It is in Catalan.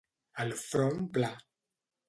El front pla.